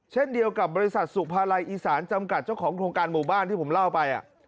เช่นเดียวกับบริษัทสุภาลัยอีสานจำกัดเจ้าของโครงการหมู่บ้านที่ผมเล่าไป